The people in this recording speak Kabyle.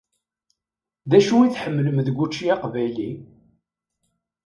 D acu i tḥemmlem deg učči aqbayli?